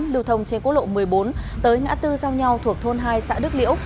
lưu thông trên quốc lộ một mươi bốn tới ngã tư giao nhau thuộc thôn hai xã đức liễu